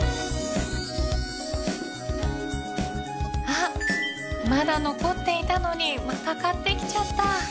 あっまだ残っていたのにまた買ってきちゃった